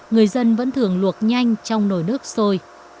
người dân vẫn thường luộc nhanh trong nồi nước sôi